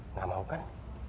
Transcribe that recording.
enggak mau kan